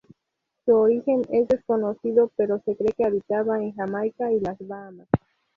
Su origen es desconocido pero se cree que habitaba en Jamaica y las Bahamas.